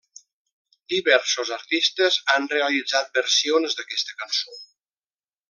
Diversos artistes han realitzat versions d'aquesta cançó.